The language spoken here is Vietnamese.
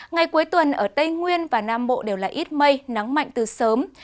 ngày cuối tuần ở tây nguyên và nam bộ đều là ít mây nắng mạnh từ sớm